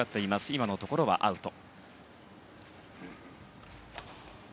今のところはアウト。